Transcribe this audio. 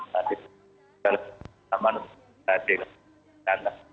tapi sama ada yang kandang